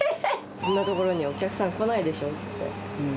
こんな所にお客さん来ないでしょって。